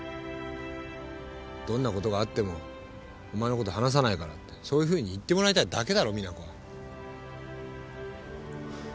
「どんなことがあってもお前のこと離さないから」ってそういうふうに言ってもらいたいだけだろ実那子は。